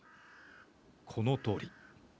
このとおり。